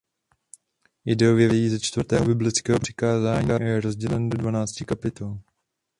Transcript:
Ideově vychází ze čtvrtého biblického přikázání a je rozdělen do dvanácti kapitol.